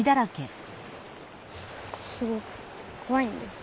すごくこわいんです。